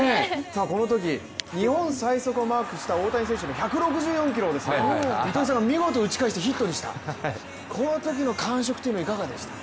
このとき日本最速をマークした大谷選手の１６４キロを糸井さんが見事打ち返してヒットにしたこのときの感触はいかがでしたか？